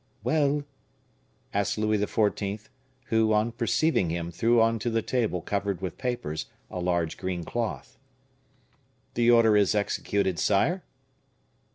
"Well?" asked Louis XIV., who, on perceiving him, threw on to the table covered with papers a large green cloth. "The order is executed, sire."